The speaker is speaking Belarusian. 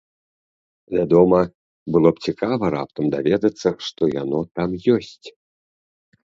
Вядома, было б цікава раптам даведацца, што яно там ёсць.